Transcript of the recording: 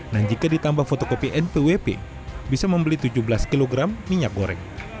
dan jika ditambah fotokopi npwp bisa membeli tujuh belas kg minyak goreng